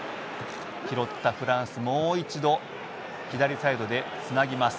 拾ったフランスもう一度左サイドでつなぎます。